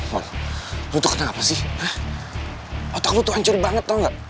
mon lo tuh kenang apa sih otak lo tuh hancur banget tau gak